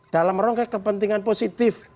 dalam rongga kepentingan positif